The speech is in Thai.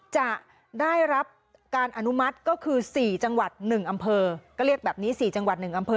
จะได้รับการอนุมัติก็คือ๔จังหวัด๑อำเภอก็เรียกแบบนี้๔จังหวัด๑อำเภอ